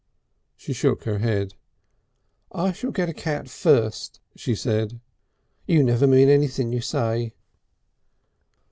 She shook her head. "I shall get a cat first," she said. "You never mean anything you say."